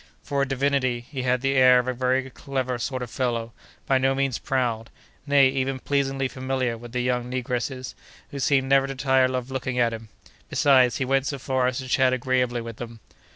For a divinity, he had the air of a very clever sort of fellow, by no means proud, nay, even pleasingly familiar with the young negresses, who seemed never to tire of looking at him. Besides, he went so far as to chat agreeably with them.